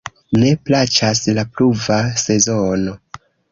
Ne plaĉas la pluva sezono.